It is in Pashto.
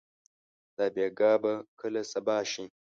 دا بېګا به کله صبا شي؟